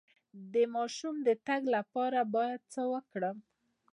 د ماشوم د تګ لپاره باید څه وکړم؟